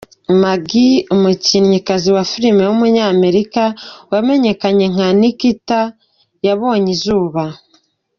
Maggie Q, umukinnyikazi wa filime w’umunyamerika wamenyekanye nka Nikita yabonye izuba.